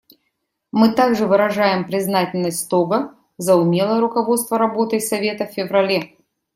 Мы также выражаем признательность Того за умелое руководство работой Совета в феврале.